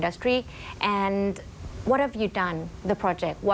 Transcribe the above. ในธุรกิจเหมือนกัน